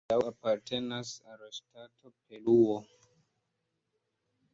La tereno hodiaŭ apartenas al la ŝtato Peruo.